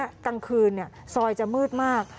กลางคืนซอยจะมืดมาก